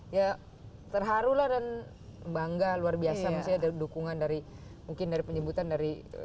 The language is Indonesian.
ya terharu lah dan bangga luar biasa maksudnya dukungan dari mungkin dari penyebutan dari